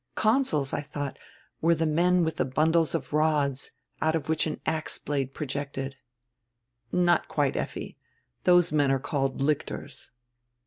Consuls, I thought, were the men with the bundles of rods, out of which an ax hlade projected." "Not quite, Effi. Those men are called lictors."